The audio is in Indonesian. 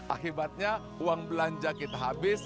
akibatnya uang belanja kita habis